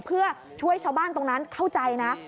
เพื่อช่วยชาวบ้านตรงนั้นเข้าใจนะ